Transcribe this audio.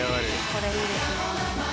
これいいですね。